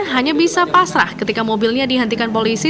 hanya bisa pasrah ketika mobilnya dihentikan polisi